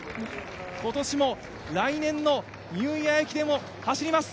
今年も来年のニューイヤー駅伝を走ります。